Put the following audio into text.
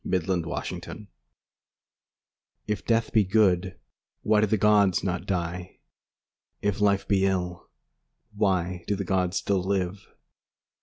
LXXIV If death be good, Why do the gods not die? If life be ill, Why do the gods still live?